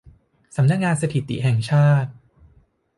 สำนักงานสถิติแห่งชาติ